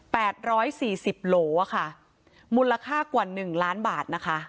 ร้อยสี่สิบโหลอ่ะค่ะมูลค่ากว่าหนึ่งล้านบาทนะคะ